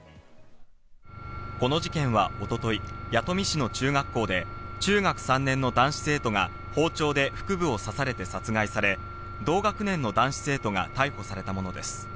この事件は一昨日、弥富市の中学校で中学３年の男子生徒が包丁で腹部を刺されて殺害され、同学年の男子生徒が逮捕されたものです。